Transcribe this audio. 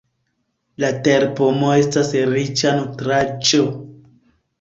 La terpomo estas riĉa nutraĵo.